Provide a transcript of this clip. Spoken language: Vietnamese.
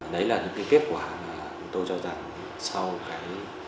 đấy là những kết quả mà tôi cho rằng sau cái